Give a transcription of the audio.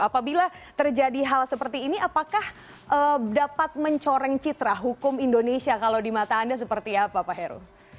apabila terjadi hal seperti ini apakah dapat mencoreng citra hukum indonesia kalau di mata anda seperti apa pak heru